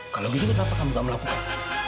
kalau gitu kenapa kamu gak melakukan